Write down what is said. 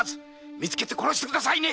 見つけて殺してくださいね！